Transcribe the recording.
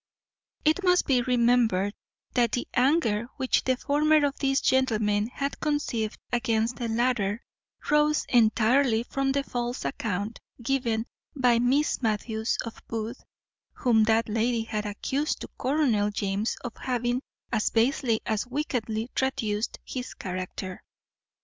It must be remembered that the anger which the former of these gentlemen had conceived against the latter arose entirely from the false account given by Miss Matthews of Booth, whom that lady had accused to Colonel James of having as basely as wickedly traduced his character.